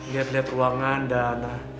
lihat lihat ruangan dan